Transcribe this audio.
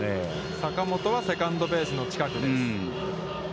坂本はセカンドベースの近くです。